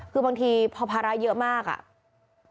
คือบางทีพอภาระเยอะมากอ่ะ